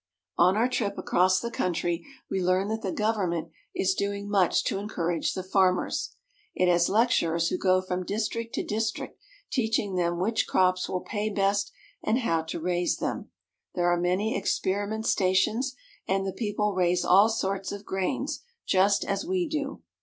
On our trip across the country we learn that the govern ment is doing much to encourage the farmers. It has lec turers who go from district to district teaching them which crops will pay best and how to raise them. There are many experiment stations ; and the people raise all sorts of grains, just as we do.